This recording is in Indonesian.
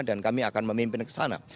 dan kami akan memimpin ke sana